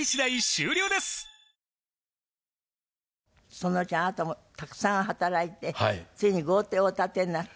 そのうちあなたもたくさん働いてついに豪邸をお建てになった？